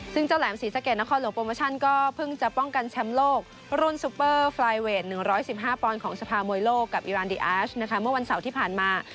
ซึ่งเจ้าแหลมศรีสะเกดนครหลวงโปรโมชั่นก็เพิ่งจะป้องกันแชมป์โลกรุ่นซูเปอร์ไฟล์เวท๑๑๕ปอนด์ของสภามวยโลกกับอิรานดีอาร์ชนะคะเมื่อวันเสาร์ที่ผ่านมา